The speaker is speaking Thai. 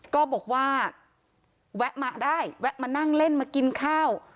ก็บอกว่าแวะมาได้แวะมานั่งเล่นมากินข้าว